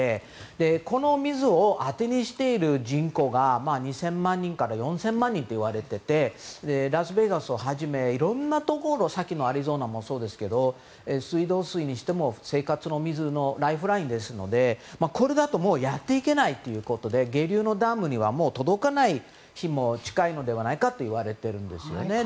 この水を当てにしている人口が２０００万人から４０００万人といわれていてラスベガスをはじめいろんなところアリゾナもそうですが水道水にしても生活の水のライフラインですのでこれだとやっていけないということで下流のダムには届かない日も近いといわれているんです。